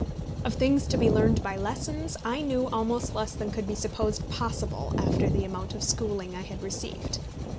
Of things to be learned by lessons I knew almost less than could be supposed possible after the amount of schooling I had received.